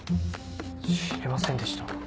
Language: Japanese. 知りませんでした。